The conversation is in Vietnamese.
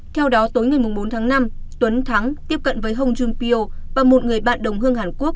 theo đó tối ngày bốn tháng năm tuấn thắng tiếp cận với hồng junpio và một người bạn đồng hương hàn quốc